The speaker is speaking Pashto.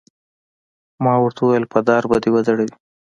ما ورته وویل: په دار به دې وځړوي.